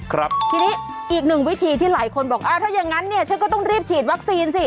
ทีนี้อีกหนึ่งวิธีที่หลายคนบอกอ่าถ้าอย่างงั้นเนี่ยฉันก็ต้องรีบฉีดวัคซีนสิ